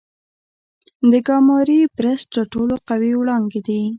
د ګاما رې برسټ تر ټولو قوي وړانګې دي.